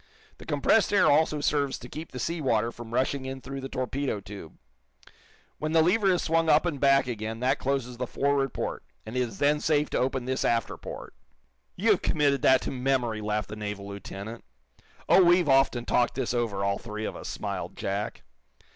The compressed air also serves to keep the sea water from rushing in through the torpedo tube. When the lever is swung up and back again that closes the forward port, and it is then safe to open this after port." "You've committed that to memory," laughed the naval lieutenant. "Oh, we've often talked this over, all three of us," smiled Jack.